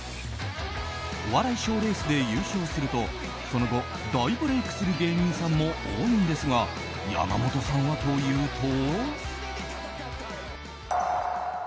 お笑い賞レースで優勝するとその後大ブレークする芸人さんも多いんですがやまもとさんはというと。